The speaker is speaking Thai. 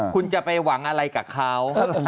คุณจะไปหวังอะไรกับเขา